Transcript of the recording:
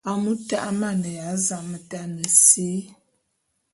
Amu ta'a amaneya zametane si.